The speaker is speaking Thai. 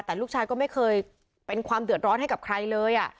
แต่ลูกชายก็ไม่เคยเป็นความเดือดร้อนให้กับใครเลย